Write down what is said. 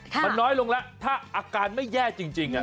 ขน้อยลงละถ้าอาการไม่แย่จริง